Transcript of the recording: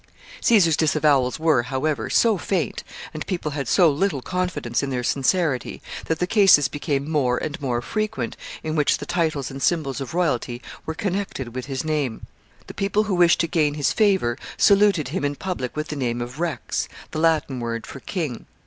[Sidenote: Caesar's disavowals.] Caesar's disavowals were, however, so faint, and people had so little confidence in their sincerity, that the cases became more and more frequent in which the titles and symbols of royalty were connected with his name. The people who wished to gain his favor saluted him in public with the name of Rex, the Latin word for king.